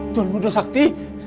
tuhan mudo sakti